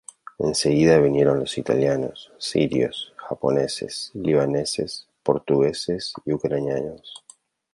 En seguida vinieron los italianos, sirios, japoneses, libaneses, portugueses y ucranianos.